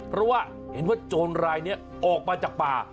เพราะว่าเห็นว่าโจรรายนี้ออกมาจากป่า